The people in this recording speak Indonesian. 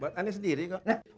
buat anda sendiri kok